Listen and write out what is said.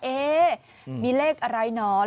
เอ๊มีเลขอะไรหนอน